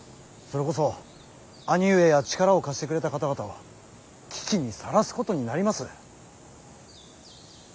それこそ兄上や力を貸してくれた方々を危機にさらすことになります。